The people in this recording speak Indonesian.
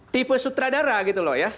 tipe sutradara gitu loh ya